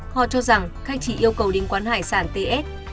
họ cho rằng khách chỉ yêu cầu đình quán hải sản ts